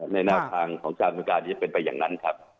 ในหน้าทางของชาติภูมิการจะเป็นไปอย่างนั้นครับ